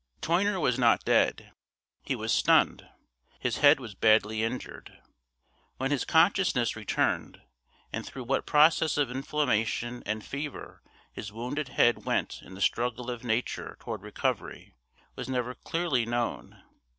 Toyner was not dead, he was stunned; his head was badly injured. When his consciousness returned, and through what process of inflammation and fever his wounded head went in the struggle of nature toward recovery, was never clearly known.